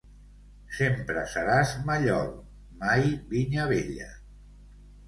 Sempre seràs mallol, mai vinya vella!